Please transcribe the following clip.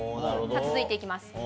続いていきます。